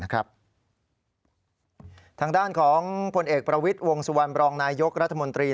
ทางด้านของผลเอกประวิทย์วงสุวรรณบรองนายยกรัฐมนตรี